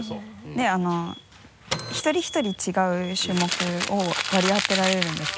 でひとりひとり違う種目を割り当てられるんですけど。